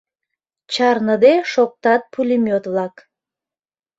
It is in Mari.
- чарныде шоктат пулемёт-влак.